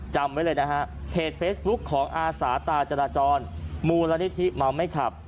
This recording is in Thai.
จำไว้เลยนะฮะเพจเฟซบุ๊คของอาสาตาจราจรมูลนิธิเมาไม่ขับ